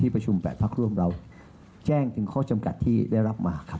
ประชุม๘พักร่วมเราแจ้งถึงข้อจำกัดที่ได้รับมาครับ